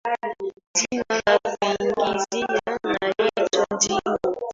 jina laa kuingizia naitwa dino